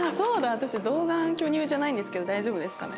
私童顔巨乳じゃないんですけど大丈夫ですかね？